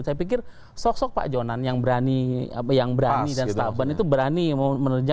saya pikir sok sok pak jonan yang berani dan setaban itu berani menerja